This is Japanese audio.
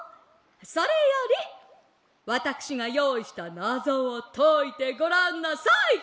それよりわたくしがよういしたナゾをといてごらんなさいっ！